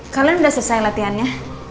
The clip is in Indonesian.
kalian udah selesai latihannya